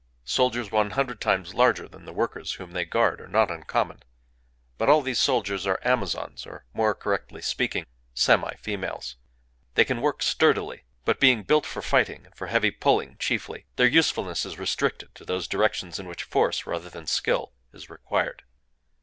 Soldiers one hundred times larger than the workers whom they guard are not uncommon. But all these soldiers are Amazons,—or, more correctly speaking, semi females. They can work sturdily; but being built for fighting and for heavy pulling chiefly, their usefulness is restricted to those directions in which force, rather than skill, is required.